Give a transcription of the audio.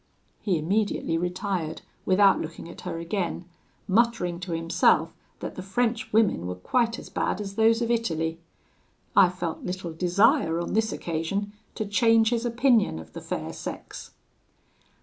"He immediately retired without looking at her again, muttering to himself that the French women were quite as bad as those of Italy. I felt little desire, on this occasion, to change his opinion of the fair sex.